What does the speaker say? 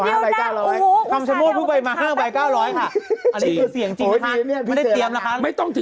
นักกว่าพี่เจ้าครับ๕บาท๙๐๐บาท